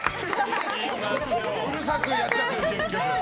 うるさくやっちゃったよ、結局。